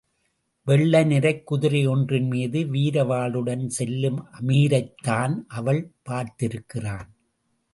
வெள்ளைக் குதிரையொன்றின் மீது வீரவாளுடன் செல்லும் அமீரைத்தான் அவள் பார்த்திருக்கிறான்.